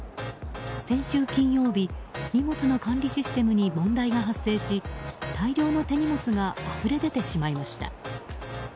先週金曜日荷物の管理システムに問題が発生し大量の手荷物があふれ出てしまいました。